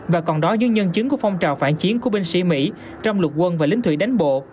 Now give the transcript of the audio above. và còn đó những nhân chứng của phong trào phản chiến của binh sĩ mỹ trong lục quân và lính thủy đánh bộ